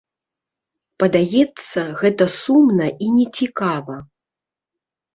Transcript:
Падаецца, гэта сумна і не цікава.